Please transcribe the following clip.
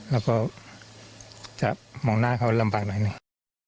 เราก็จะมองหน้าเขาลำบากหน่อยหนึ่ง